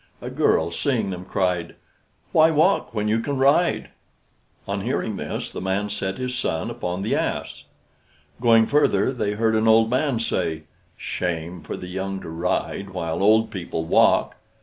A girl, seeing them, cried, "Why walk when you can ride?" On hearing this, the man set his son upon the ass. Going further, they heard an old man say, "Shame for the young to ride while old people walk!"